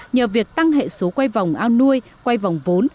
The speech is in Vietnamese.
nhờ việc tăng hệ số quay vòng ao nuôi quay vòng vốn